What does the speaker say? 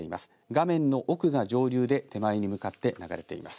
画面の奥が上流で手前に向かって流れています。